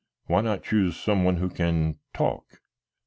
Why not choose some one who can talk?"